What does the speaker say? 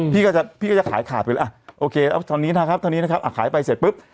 พี่ก็จะขายขาดไปแล้วอ่ะโอเคตอนนี้นะครับตอนนี้นะครับอ่ะขายไปเสร็จปุ๊บ